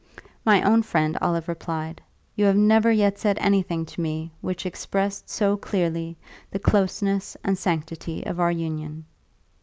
"My own friend," Olive replied, "you have never yet said anything to me which expressed so clearly the closeness and sanctity of our union."